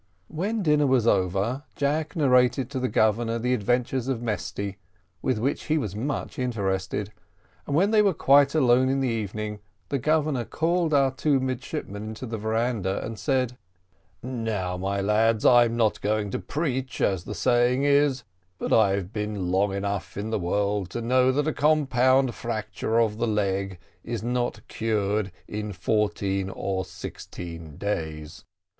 When dinner was over, Jack narrated to the Governor the adventures of Mesty, with which he was much interested; but when they were quite alone in the evening, the Governor called our two midshipmen into the veranda, and said: "Now, my lads, I'm not going to preach, as the saying is, but I've been long enough in the world to know that a compound fracture of the leg is not cured in fourteen or sixteen days.